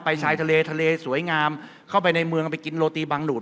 ชายทะเลทะเลสวยงามเข้าไปในเมืองไปกินโรตีบังดูด